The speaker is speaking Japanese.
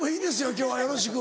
今日はよろしく。